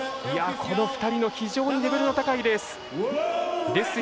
この２人の非常にレベルの高いレース。